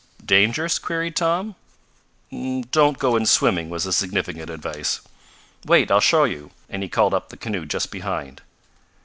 "Dangerous?" queried Tom. "Don't go in swimming," was the significant advice. "Wait, I'll show you," and he called up the canoe just behind.